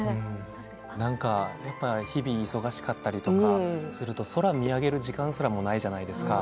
なんか、日々忙しかったりとかすると空、見上げる時間すらもないじゃないですか。